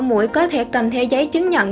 mũi có thể cầm theo giấy chứng nhận